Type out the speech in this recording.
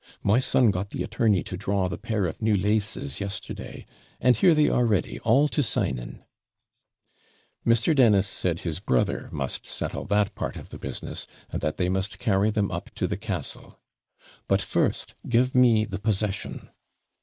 My son got the attorney to draw the pair of new LASES yesterday, and here they are ready, all to signing.' Mr. Dennis said his brother must settle that part of the business, and that they must carry them up to the castle; 'but first give me the possession.'